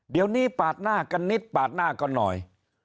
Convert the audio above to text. เดี๋ยวนี้ปาดหน้ากันนิดปาดหน้ากันหน่อย